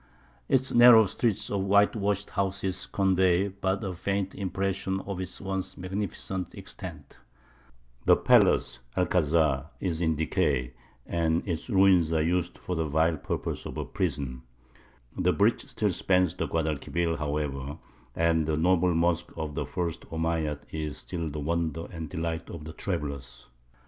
Its narrow streets of whitewashed houses convey but a faint impression of its once magnificent extent; the palace, Alcazar, is in decay, and its ruins are used for the vile purpose of a prison; the bridge still spans the Guadalquivir, however, and the noble mosque of the first Omeyyad is still the wonder and delight of travellers.